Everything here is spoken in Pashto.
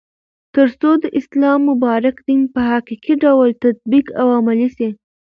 ترڅو د اسلام مبارک دين په حقيقي ډول تطبيق او عملي سي